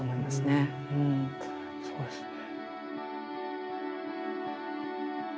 そうですね。